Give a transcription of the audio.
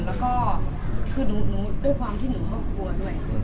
แล้วก็คือหนูด้วยความที่หนูก็กลัวด้วย